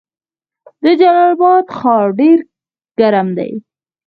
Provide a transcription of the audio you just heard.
د جلال اباد ښار ډیر ګرم دی